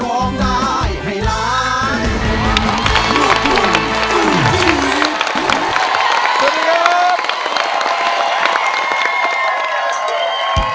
สวัสดีครับ